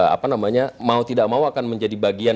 apa namanya mau tidak mau akan menjadi bagian